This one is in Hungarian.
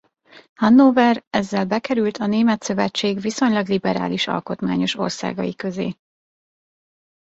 Hannover ezzel bekerült a Német Szövetség viszonylag liberális alkotmányos országai közé.